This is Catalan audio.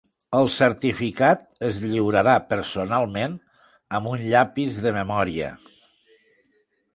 El certificat es lliurarà personalment amb un llapis de memòria.